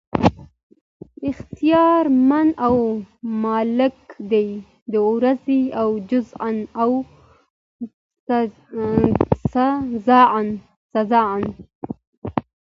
اختيار مند او مالک دی د ورځي د جزاء او سزاء